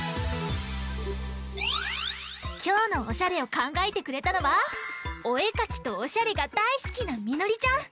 きょうのおしゃれをかんがえてくれたのはおえかきとおしゃれがだいすきなみのりちゃん。